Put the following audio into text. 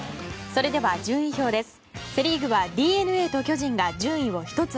それでは順位表です。